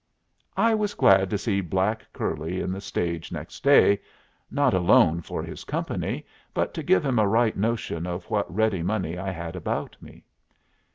I was glad to see black curly in the stage next day, not alone for his company, but to give him a right notion of what ready money I had about me.